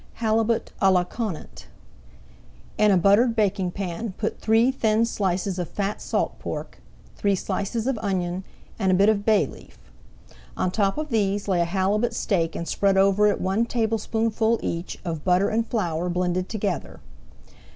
HALIBUT À LA CONANT In a buttered baking pan put three thin slices of fat salt pork, three slices of onion and a bit of bay leaf. On top of these lay a halibut steak and spread over it one tablespoonful each of butter and flour blended together.